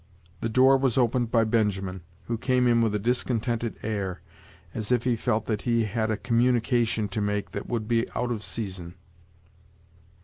The door was opened by Benjamin, who came in with a discontented air, as if he felt that he had a communication to make that would be out of season.